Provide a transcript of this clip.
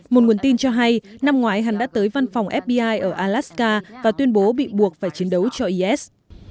một nguồn tin cho hay năm ngoái hắn đã tới văn phòng fbi ở alaska và tuyên bố bị buộc phải chiến đấu cho is